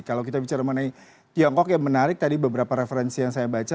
kalau kita bicara mengenai tiongkok yang menarik tadi beberapa referensi yang saya baca